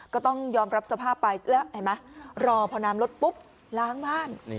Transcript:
ก็ต้องยอมรับสภาพไปแล้วเห็นไหมรอพอน้ำลดปุ๊บล้างบ้าน